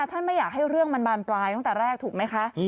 ไม่อยากให้เรื่องมันบานปลายตั้งแต่แรกถูกไหมคะ